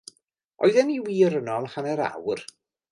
Oedden ni'n wir yno am hanner awr?